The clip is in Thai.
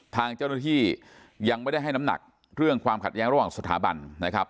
ทางเจ้าหน้าที่ยังไม่ได้ให้น้ำหนักเรื่องความขัดแย้งระหว่างสถาบันนะครับ